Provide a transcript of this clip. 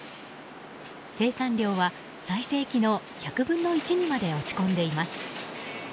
生産量は最盛期の１００分の１にまで落ち込んでいます。